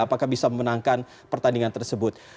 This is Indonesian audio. apakah bisa memenangkan pertandingan tersebut